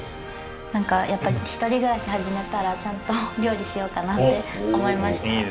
なんかやっぱり一人暮らし始めたらちゃんと料理しようかなって思いました。